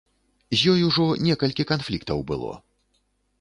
З ёй ужо некалькі канфліктаў было.